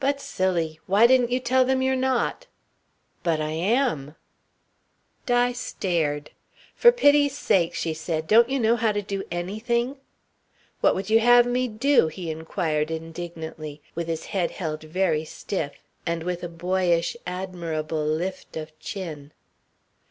"But, Silly! Why didn't you tell them you're not?" "But I am." Di stared. "For pity sakes," she said, "don't you know how to do anything?" "What would you have me do?" he inquired indignantly, with his head held very stiff, and with a boyish, admirable lift of chin.